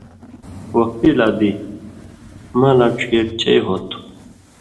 وختی لا دی مالاں ڇھیرچئی ہوتُھو۔